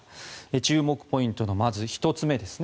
注目ポイントの１つ目です。